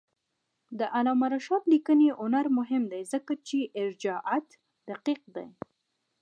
د علامه رشاد لیکنی هنر مهم دی ځکه چې ارجاعات دقیق دي.